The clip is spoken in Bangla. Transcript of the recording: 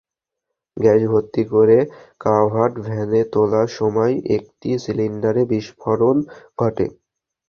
গ্যাস ভর্তি করে কাভার্ড ভ্যানে তোলার সময় একটি সিলিন্ডারে বিস্ফোরণ ঘটে।